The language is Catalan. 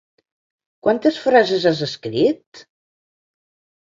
Quantes frases has escrit?